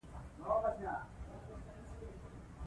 ځینې ایرانیان دا مثبت بولي.